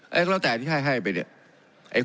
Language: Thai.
แล้วแต่ที่ให้ไปเนี่ย